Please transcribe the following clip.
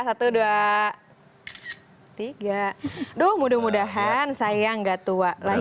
aduh mudah mudahan saya gak tua lagi